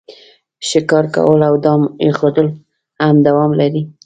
ښکار کول او دام ایښودل هم دوام لري